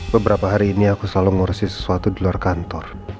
beberapa hari ini aku selalu ngurusin sesuatu di luar kantor